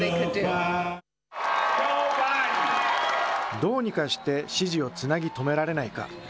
どうにかして、支持をつなぎ止められないか。